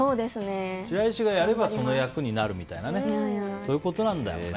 白石がやればその役になるというかそういうことだよね。